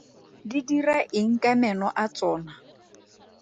Di dira eng ka meno a tsona?